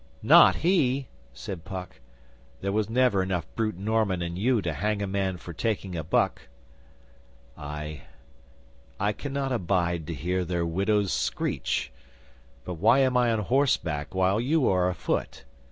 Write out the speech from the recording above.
'Not he!' said Puck. 'There was never enough brute Norman in you to hang a man for taking a buck.' 'I I cannot abide to hear their widows screech. But why am I on horseback while you are afoot?